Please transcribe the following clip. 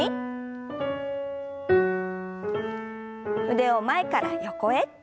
腕を前から横へ。